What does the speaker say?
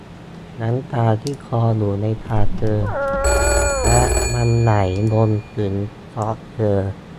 น้ำตาที่คลออยู่ในตาเธอและมันไหลลงถึงศอกเธอ